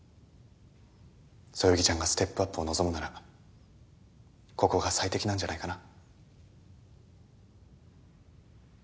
そよぎちゃんがステップアップを望むならここが最適なんじゃないかな。